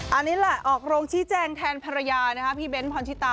อันนี้ล่ะออกโรงชีแจงแทนภรรยาพี่เบ้นท์พ่อนชิตา